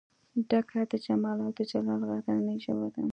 ډکه د جمال او دجلال غرنۍ ژبه ده